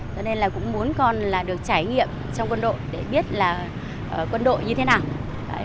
cho nên là cũng muốn con là được trải nghiệm trong quân đội để biết là quân đội như thế nào